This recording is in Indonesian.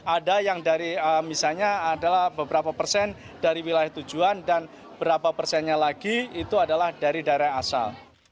ada yang dari misalnya adalah beberapa persen dari wilayah tujuan dan berapa persennya lagi itu adalah dari daerah asal